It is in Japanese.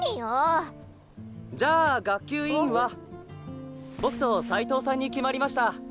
じゃあ学級委員は僕と斉藤さんに決まりました。